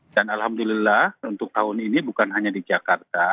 dan alhamdulillah untuk tahun ini bukan hanya di jakarta